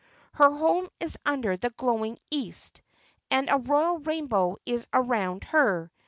Her home is under the glowing East, and a royal rainbow is around her.